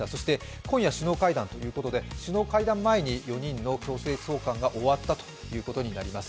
今夜首脳会談ということで、首脳会談前に４人の強制送還が終わったということになります。